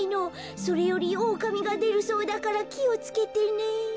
それよりオオカミがでるそうだからきをつけてね」。